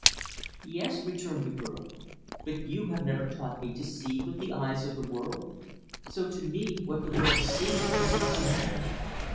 "Yes," returned the girl, "but you have never taught me to see with the eyes of the world. So, to me, what the world sees, does not matter."